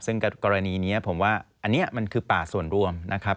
ซึ่งกรณีนี้ผมว่าอันนี้มันคือป่าส่วนรวมนะครับ